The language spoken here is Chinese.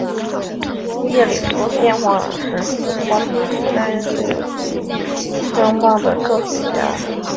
查耶夫斯基被认为是美国电视黄金时代最具声望的剧作家。